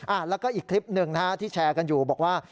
แล้วก็อีกคลิปหนึ่งนะฮะที่แชร์กันอยู่บอกว่า